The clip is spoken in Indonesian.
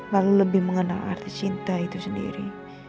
lalu lebih mengenal arti cinta itu sendiri